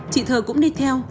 chị thơ cũng đi theo